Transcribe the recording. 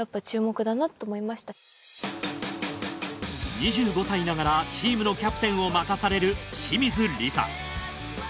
２５歳ながらチームのキャプテンを任される清水梨紗。